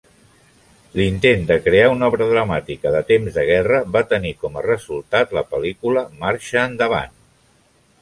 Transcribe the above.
L'intent de crear una obra dramàtica de temps de guerra va tenir com a resultat la pel·lícula "Marxa endavant!".